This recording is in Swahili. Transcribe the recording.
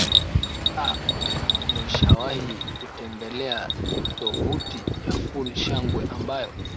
a umeshawahi kutembelea tovuti ya full shangwe ambayo